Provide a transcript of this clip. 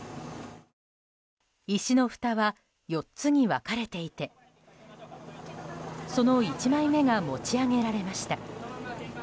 石のふたは４つに分かれていてその１枚目が持ち上げられました。